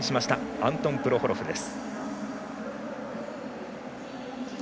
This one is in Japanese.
アントン・プロホロフです。